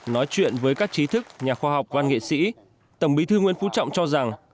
nói chuyện với các trí thức nhà khoa học văn nghệ sĩ tổng bí thư nguyễn phú trọng cho rằng